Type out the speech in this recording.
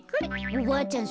おばあちゃん